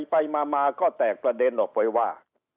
ไปมาก็แตกประเด็นออกไปว่า